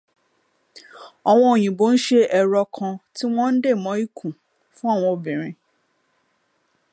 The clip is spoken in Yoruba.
Àwọn òyìnbó ṣe ẹ̀rọ kan tí wọ́n ń dè mọ́ ikùn fún àwọn obìnrin